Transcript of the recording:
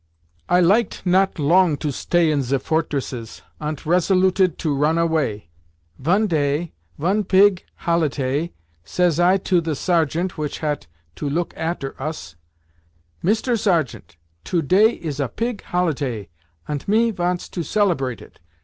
"I liket not long to stay in ze fortresses, ant resoluted to ron away. Von day, von pig holitay, says I to the sergeant which hat to look after us, 'Mister Sergeant, to day is a pig holitay, ant me vants to celeprate it.